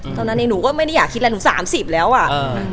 ตอนนั้นเองหนูก็ไม่ได้อยากคิดอะไรหนูสามสิบแล้วอ่ะ